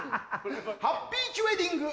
ハッピーチュエディング！